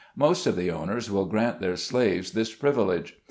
Most of the owners will grant their slaves this privilege.